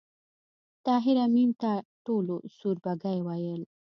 طاهر آمین ته ټولو سوربګی ویل